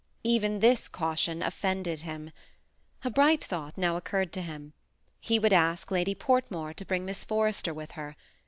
Even tills caution offended him. A bright thought now occurred to him ; he would ask Lady Portmore to bring Miss Forrester with her.